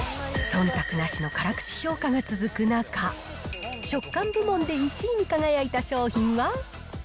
そんたくなしの辛口評価が続く中、食感部門で１位に輝いた商品は。